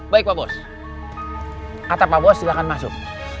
baik pak bos kata pak bos silahkan masuk